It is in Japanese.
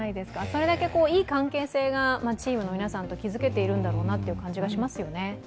それだけいい関係性がチームの皆さんと築けているんだろうなという感じがしますよね。